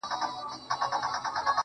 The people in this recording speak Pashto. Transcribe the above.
o خو ژوند حتمي ستا له وجوده ملغلري غواړي.